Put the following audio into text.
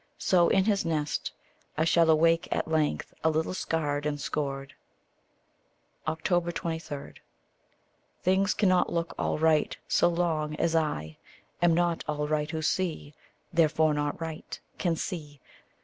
So in his nest I shall awake at length, a little scarred and scored. 23. Things cannot look all right so long as I Am not all right who see therefore not right Can see.